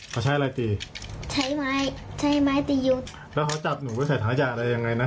เขาใช้อะไรตีใช้ไม้ใช้ไม้ไปยุดแล้วเขาจับหนูหรือใส่ท้ายาอะไรยังไงนะ